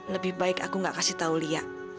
lebih baik aku gak kasih tau lia